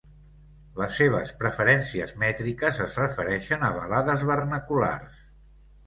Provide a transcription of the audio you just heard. Les seves preferències mètriques es refereixen a balades vernaculars.